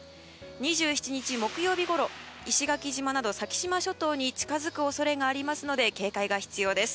２７日、木曜日ごろ石垣島など先島諸島に近づく恐れがありますので警戒が必要です。